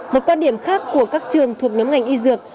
một quan điểm khác của các trường thuộc nhóm ngành y dược